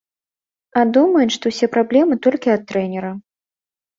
А думаюць, што ўсе праблемы толькі ад трэнера.